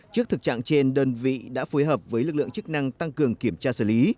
trước thực trạng trên đơn vị đã phối hợp với lực lượng chức năng tăng cường kiểm tra xử lý